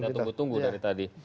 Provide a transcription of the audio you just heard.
kita tunggu tunggu dari tadi